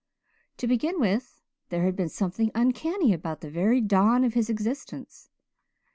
To begin with, there had been something uncanny about the very dawn of his existence.